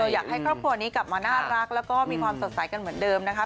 อยากให้ครอบครัวนี้กลับมาน่ารักแล้วก็มีความสดใสกันเหมือนเดิมนะคะ